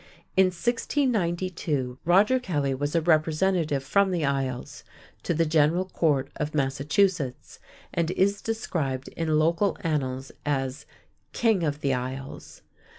In 1692, Roger Kelly was a representative from the Isles to the General Court of Massachusetts, and is described in local annals as "King of the Isles."